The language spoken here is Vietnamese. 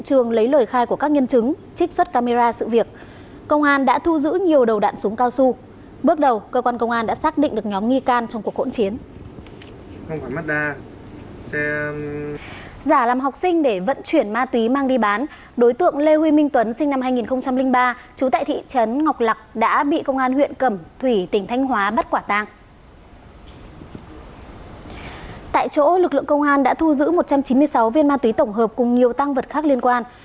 tại chỗ lực lượng công an đã thu giữ một trăm chín mươi sáu viên ma túy tổng hợp cùng nhiều tăng vật khác liên quan